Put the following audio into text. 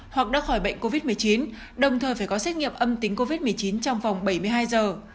hoặc đã khỏi bệnh covid một mươi chín đồng thời phải có xét nghiệm âm tính covid một mươi chín trong vòng bảy mươi hai giờ